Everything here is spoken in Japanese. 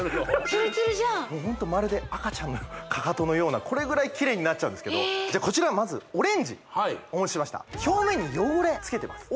つるつるじゃんホントまるで赤ちゃんのかかとのようなこれぐらいキレイになっちゃうんですけどこちらオレンジお持ちしました表面に汚れつけてます